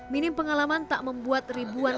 minim pengalaman tak membuat ribuan